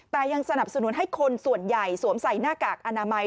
แต่ยังสนับสนุนให้คนส่วนใหญ่สวมใส่หน้ากากอนามัย